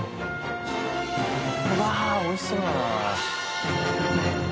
うわ美味しそうだなあ。